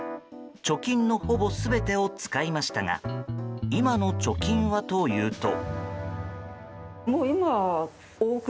貯金のほぼ全てを使いましたが今の貯金はというと。